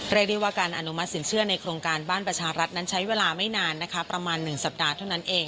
เรียกได้ว่าการอนุมัติสินเชื่อในโครงการบ้านประชารัฐนั้นใช้เวลาไม่นานนะคะประมาณ๑สัปดาห์เท่านั้นเอง